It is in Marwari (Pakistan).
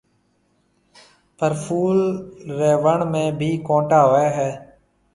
پر ڦول ري وڻ ۾ بي ڪونٽا هوئي هيَ۔